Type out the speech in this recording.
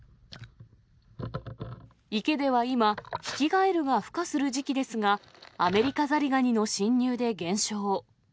池では今、ヒキガエルがふ化する時期ですが、アメリカザリガニの侵入で減少。